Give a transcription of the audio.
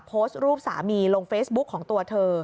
โพสต์รูปสามีลงเฟซบุ๊กของตัวเธอ